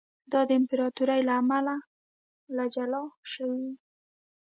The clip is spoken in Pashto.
دا د امپراتورۍ له امله له جلا شوی و